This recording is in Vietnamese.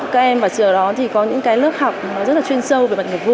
các em và trường đó có những lớp học rất chuyên sâu về mặt nghiệp vụ